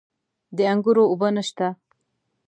د انګورو اوبه نشته؟